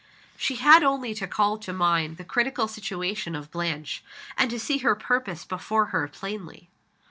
She had only to call to mind the critical situation of Blanche and to see her purpose before her plainly.